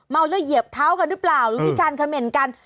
เมาแล้วเหยียบเท้ากันหรือเปล่าหรือมีการเขม่นกัน